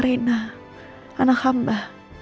terima kasih bu